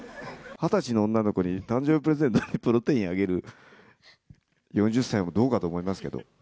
２０歳の女の子に、誕生日プレゼントでプロテインあげる４０歳もどうかと思いますけ